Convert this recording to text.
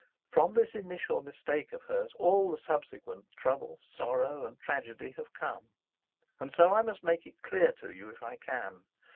From this initial mistake of hers all the subsequent trouble, sorrow, and tragedy have come, and so I must make it clear to you if I can.